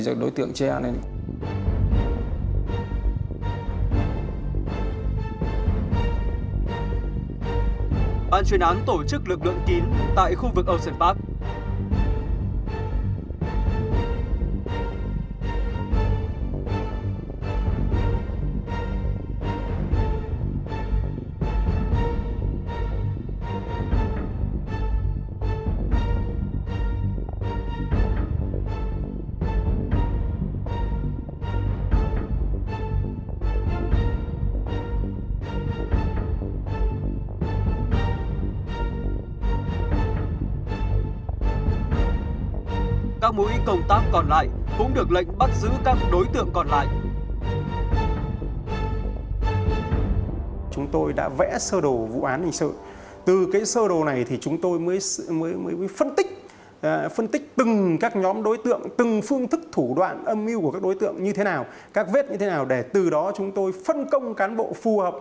ban chuyên án tổ chức lực lượng kín tại khu vực âu sơn pháp